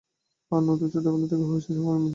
আর নুটু ছোটবেলা থেকেই হৈচৈ স্বভাবের মেয়ে!